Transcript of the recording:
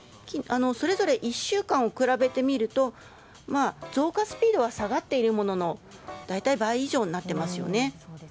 それぞれ１週間を比べてみると増加スピードは下がっているものの大体、倍以上になっていますよね。